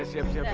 ya siap siap ya